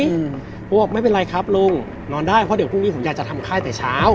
เขาบอกไม่เป็นไรครับลุงนอนได้เพราะเดี๋ยวพรุ่งนี้ผมอยากจะทำค่ายแต่เช้า